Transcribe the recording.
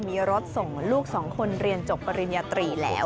มีรถส่งลูกสองคนเรียนจบปริญญาตรีแล้ว